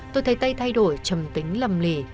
tôi thấy tây thay đổi trầm tính lầm lì